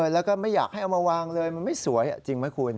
แล้วก็ไม่อยากให้เอามาวางเลยมันไม่สวยจริงไหมคุณ